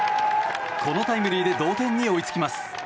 このタイムリーで同点に追いつきます。